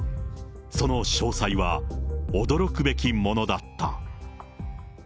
その詳細は驚くべきものだった。